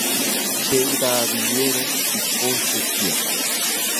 Tee rawiero ikoshekia